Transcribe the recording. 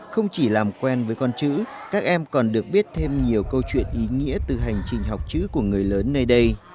không chỉ làm quen với con chữ các em còn được biết thêm nhiều câu chuyện ý nghĩa từ hành trình học chữ của người lớn nơi đây